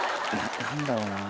何だろうな。